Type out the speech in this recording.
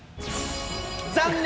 残念！